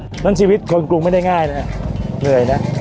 เพราะฉะนั้นชีวิตคนกรุงไม่ได้ง่ายนะเหนื่อยนะ